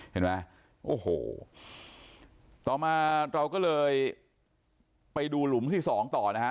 เห็นไหมโอ้โหต่อมาเราก็เลยไปดูหลุมที่สองต่อนะฮะ